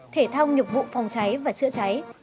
thể thao nghiệp vụ phòng cháy và chữa cháy